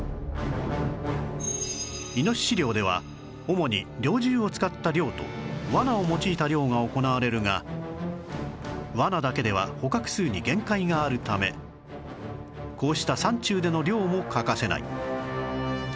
イノシシ猟では主に猟銃を使った猟と罠を用いた猟が行われるが罠だけでは捕獲数に限界があるためこうした山中での猟も欠かせない